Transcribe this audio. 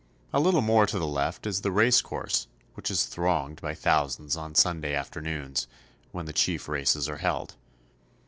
A little more to the left is the race course, which is thronged by thousands on Sunday after noons, when the chief races are held.